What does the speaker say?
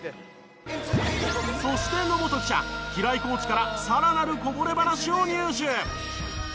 そして野本記者平井コーチから更なるこぼれ話を入手。